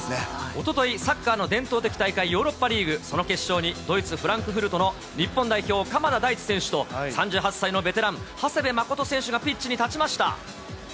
おととい、サッカーの伝統的大会、ヨーロッパリーグ、その決勝に、ドイツ・フランクフルトの日本代表、鎌田大地選手と、３８歳のベテラン、長谷部誠選手がピッチに立ちました。